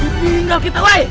putri tinggal kita wey